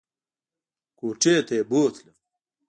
کوټې ته یې بوتلم !